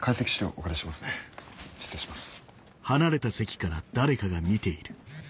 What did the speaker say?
お借りしますね失礼します。